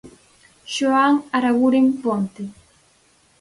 Xoan Araguren Ponte.